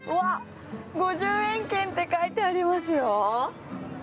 ５０円券って書いてありますよ。